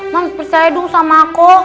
mam percaya dong sama aku